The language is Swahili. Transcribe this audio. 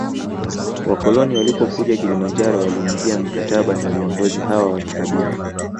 Wakoloni walipokuja Kilimanjaro waliingia mikataba na viongozi hawa wa kikabila